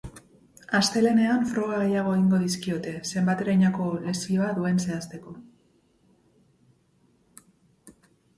Astelehenean froga gehiago egingo dizkiote zenbaterainoko lesioa duen zehazteko.